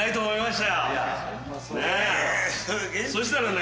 そしたらね。